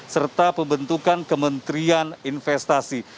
serta pembentukan kementerian investasi